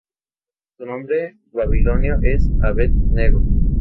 Su nombre babilonio es "Abed-nego".